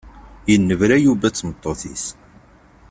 Yennebra Yuba d tmeṭṭut-is.